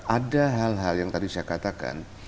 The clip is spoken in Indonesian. ada hal hal yang tadi saya katakan